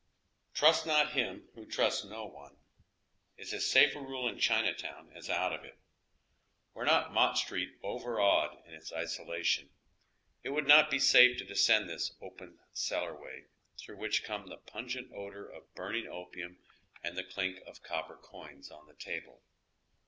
Trust not him who trusts no one, is as safe a rule in Chinatown as out of it. Were not Mott Street overawed in its isolation, it would not be safe to descend this open cellar way, through which come tlie pungent odor of burn ing opium and the clink of copper coins on the table.